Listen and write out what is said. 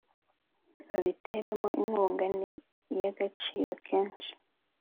babibateremo inkunga ni iy'agaciro kenshi